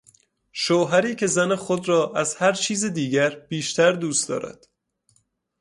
شوهری که زن خود را از هر چیز دیگر بیشتر دوست دارد